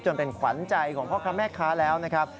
เป็นขวัญใจของพ่อค้าแม่ค้าแล้วนะครับ